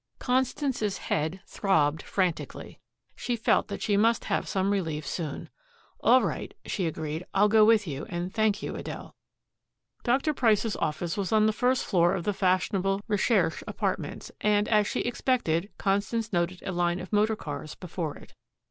Constance's head throbbed frantically. She felt that she must have some relief soon. "All right," she agreed, "I'll go with you, and thank you, Adele." Dr. Price's office was on the first floor of the fashionable Recherche Apartments, and, as she expected, Constance noted a line of motor cars before it.